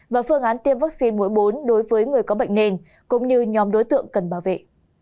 và phương án tiêm vaccine mũi bốn đối với người có bệnh nền cũng như nhóm đối tượng cần bảo vệ